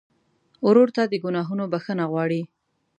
ورور ته د ګناهونو بخښنه غواړې.